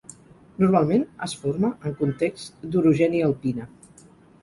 Normalment es forma en contexts d'orogènia alpina.